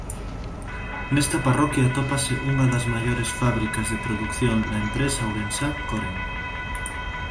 Nesta parroquia atópase unha das maiores fábricas de produción da empresa ourensá Coren.